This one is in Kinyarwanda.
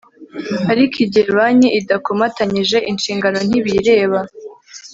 ariko igihe banki idakomatanyije inshingano ntibiyireba